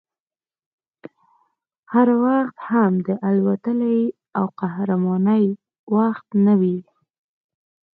هر وخت هم د اتلولۍ او قهرمانۍ وخت نه وي